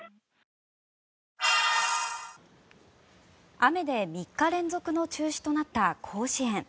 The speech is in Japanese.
雨で３日連続の中止となった甲子園。